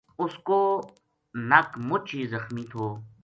اس کو نک مُچ ہی زخمی تھو